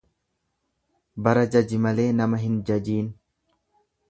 Bara jaji malee, nama hinjajiin.